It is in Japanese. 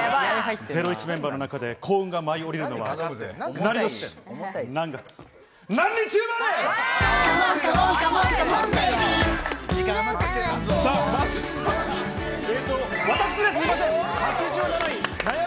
『ゼロイチ』メンバーの中で幸運が舞い降りるのは、何年、何月、何日生まれ！